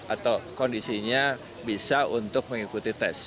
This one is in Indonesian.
atau kondisinya bisa untuk mengikuti tes